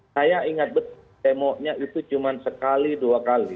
saya ingat demo nya itu cuma sekali dua kali